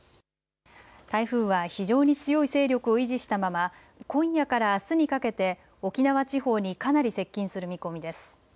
台風は非常に強い勢力を維持したまま今夜からあすにかけて沖縄地方にかなり接近する見込みです。